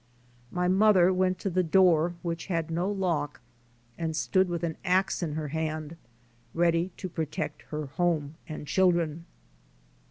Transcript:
My mother went to the door which had no lock, and stood with an ax in her hand, ready to protect her home and children.